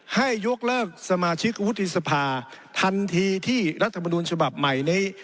ให้ยกเลิกสมาชิกกระพุทธศพาฯทันทีที่รัฐบนูลฉบับใหม่นี้